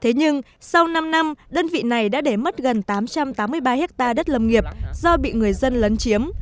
thế nhưng sau năm năm đơn vị này đã để mất gần tám trăm tám mươi ba hectare đất lâm nghiệp do bị người dân lấn chiếm